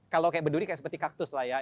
kalau kayak berduri kayak seperti kaktus lah ya